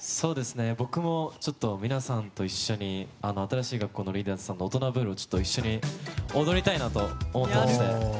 僕も皆さんと一緒に新しい学校のリーダーズさんの「オトナブルー」を一緒に踊りたいなと思っていまして。